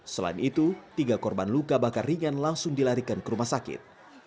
selain itu tiga korban luka bakar ringan langsung dilarikan ke rumah sakit